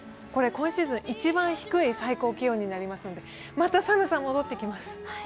これ、今シーズン一番低い最高気温になりますのでまた寒さ、戻ってきます。